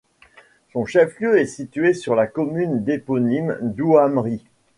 Son chef-lieu est situé sur la commune éponyme d'Ouamri.